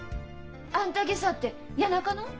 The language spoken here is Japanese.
「あんた家さ」って谷中の？